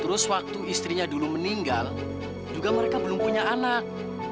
terus waktu istrinya dulu meninggal juga mereka belum punya anak